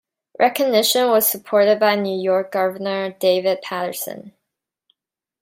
Recognition was supported by New York Governor David Paterson.